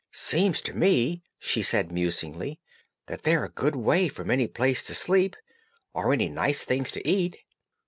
"Seems to me," she said, musingly, "that they're a good way from any place to sleep, or any nice things to eat."